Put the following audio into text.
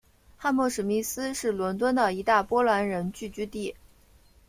汉默史密斯是伦敦的一大波兰人聚居地。